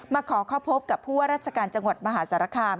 ขอเข้าพบกับผู้ว่าราชการจังหวัดมหาสารคาม